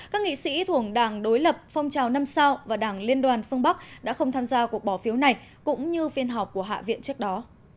các nghị sĩ thuộc đảng đối lập phong trào năm sao và đảng liên đoàn phương bắc đã không tham gia cuộc bỏ phiếu này cũng như phiên họp của hạ viện trước đó